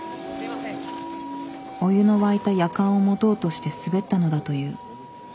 お湯の沸いたやかんを持とうとして滑ったのだという。